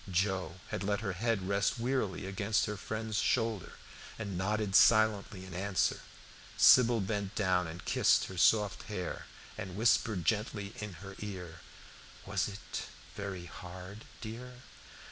Joe had let her head rest wearily against her friend's shoulder, and nodded silently in answer. Sybil bent down and kissed her soft hair, and whispered gently in her ear, "Was it very hard, dear?"